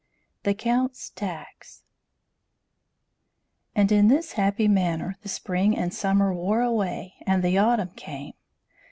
THE COUNT'S TAX AND in this happy manner the spring and summer wore away and the autumn came.